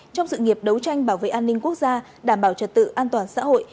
trong sự nghiệp đấu tranh bảo vệ an ninh quốc gia đảm bảo trật tự an toàn xã hội